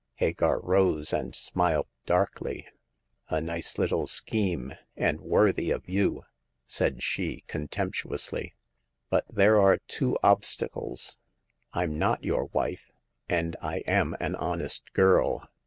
Hagar rose, and smiled darkly. A nice little scheme, and worthy of you," said she, contemp tuously ;but there are two obstacles. Fm not your wife, and I am an honest girl.